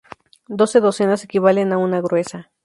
Doce docenas equivalen a una gruesa.